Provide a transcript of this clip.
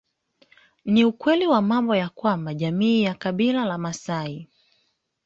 Ni ukweli wa mambo ya kwamba jamii ya kabila la maasai